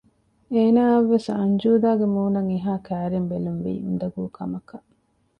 އޭނާއަށް ވެސް އަންޖޫދާގެ މޫނަށް އެހާ ކައިރިން ބެލުންވީ އުނދަގޫ ކަމަކަށް